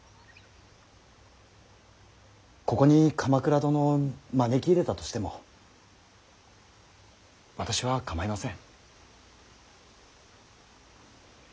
ここに鎌倉殿を招き入れたとしても私は構いません。